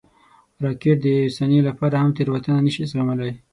راکټ د یوې ثانیې لپاره هم تېروتنه نه شي زغملی